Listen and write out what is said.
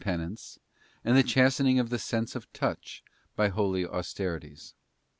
penance, and the chastening of the sense of touch by holy austerities.